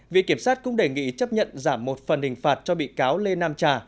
viện kiểm sát cũng đề nghị chấp nhận giảm một phần hình phạt cho bị cáo lê nam trà